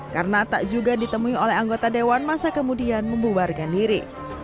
karena tak juga ditemui oleh anggota dewan masa kemudian membubarkan diri